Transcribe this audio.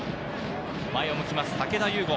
前を向きます、武田悠吾。